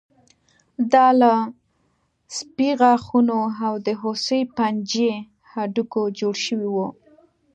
دا له سپي غاښونو او د هوسۍ پنجې هډوکي جوړ شوي وو